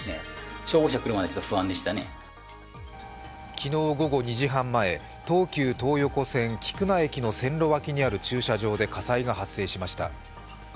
昨日午後２時半前、東急東横線・菊名駅の線路脇にある駐車場で火災が発生しました。